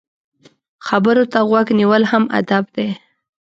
خبرو ته غوږ نیول هم ادب دی.